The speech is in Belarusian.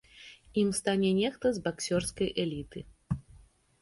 Ім стане нехта з баксёрскай эліты.